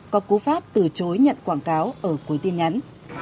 có cú pháp từ chối nhận quảng cáo ở cuối tin nhắn